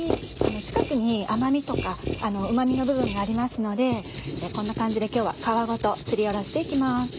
近くに甘味とかうま味の部分がありますのでこんな感じで今日は皮ごとすりおろして行きます。